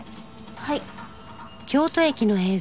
はい。